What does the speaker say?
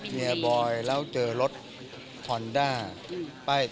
เมียบอยแล้วเจอรถฮอนด้า